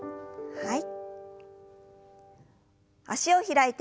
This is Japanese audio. はい。